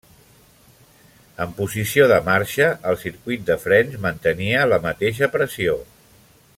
En posició de marxa el circuit de frens mantenia la mateixa pressió.